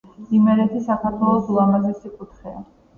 იმერეთი საქართველოს ულამაზესი კუთხეა